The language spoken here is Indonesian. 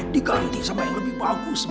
diganti sama yang lebih bagus